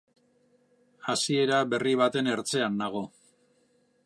Hasiera berri baten ertzean nago.